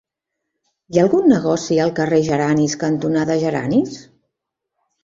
Hi ha algun negoci al carrer Geranis cantonada Geranis?